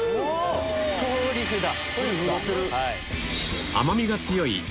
トリュフだ！